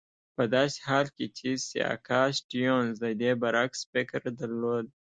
په داسې حال کې چې سیاکا سټیونز د دې برعکس فکر درلود.